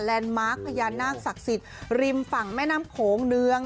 มาร์คพญานาคศักดิ์สิทธิ์ริมฝั่งแม่น้ำโขงเนือง